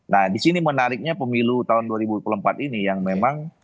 nah disini menariknya pemilu tahun dua ribu empat belas ini yang memang